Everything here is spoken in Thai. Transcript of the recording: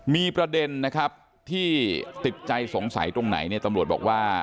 มีประเด็นที่ติดใจสงสัยตรงไหนตำรวจบอกว่า